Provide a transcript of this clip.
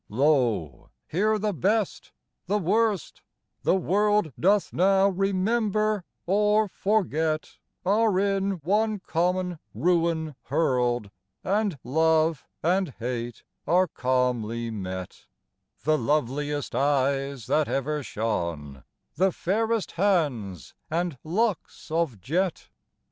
Lo! here the best the worst the world Doth now remember or forget, Are in one common ruin hurl'd, And love and hate are calmly met; The loveliest eyes that ever shone, The fairest hands, and locks of jet.